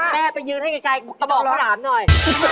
แม่ไปเยือนให้ชายกะหมอกผิวหลาดหน่อย